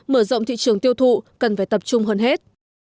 mở rộng thị trường tiêu thụ cần phải tập trung hơn hết